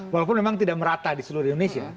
walaupun memang tidak merata di seluruh indonesia